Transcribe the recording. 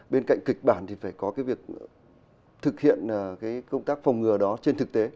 bên cạnh kịch bản thì phải có cái việc thực hiện cái công tác phòng ngừa đó trên thực tế